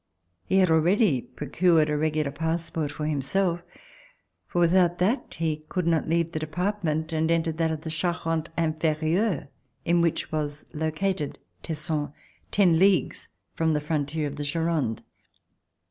He had already procured a regular passport for himself, for without that he could not leave the department and enter that of Charente Inferieure, in which was located Tesson, ten leagues from the frontier of the Gironde.